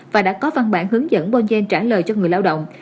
và đã có văn bản hướng dẫn bonzan trả lời cho người lao động